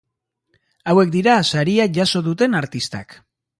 Hauek dira saria jaso duten artistak.